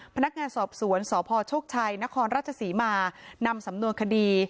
พนักงานสอบสวนสพโชคชัยนครราชศรีมานำสำนวนคดี